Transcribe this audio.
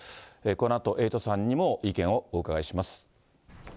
このあと、エイトさんにも意見をお伺いします。